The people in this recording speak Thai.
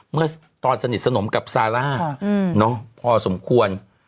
เมื่อตอนสนิทสนมกับซาร่าพอสมควร